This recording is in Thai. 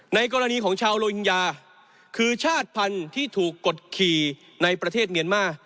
ในกรณีของชาวโลหิงญาคือชาติพันธุ์ที่ถูกกดขี่ในประเทศเมียนมา